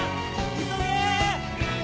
急げ！